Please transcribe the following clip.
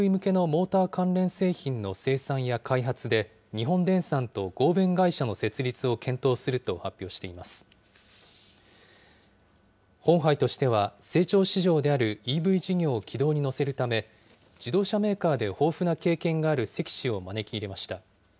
ホンハイとしては、成長市場であるＥＶ事業を軌道に乗せるため、自動車メーカーで豊富な経験がある関氏を招き入れました。